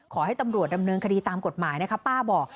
ขอให้ตำรวจดำเนินคดีตามกฎหมายนะคะป้าบอก